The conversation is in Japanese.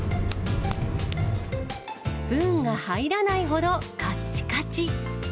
スプーンが入らないほどかっちかち。